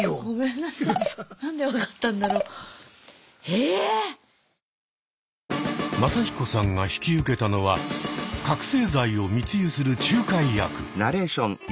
ええ⁉マサヒコさんが引き受けたのは覚醒剤を密輸する仲介役。